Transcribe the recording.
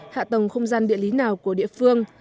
hạ tầng không gian địa lý nào của địa phương